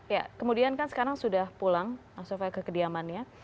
ya kemudian kan sekarang sudah pulang so far kekediamannya